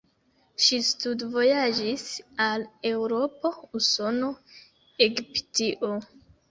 Ŝi studvojaĝis al Eŭropo, Usono, Egiptio.